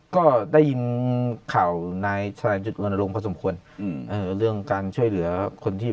ก็ได้ยินข่าวนายอ่าลงก็สมควรหรือเรื่องการช่วยเหลือคนที่